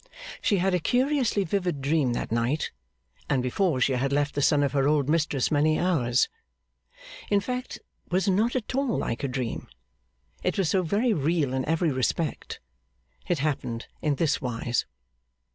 She had a curiously vivid dream that night, and before she had left the son of her old mistress many hours. In fact it was not at all like a dream; it was so very real in every respect. It happened in this wise.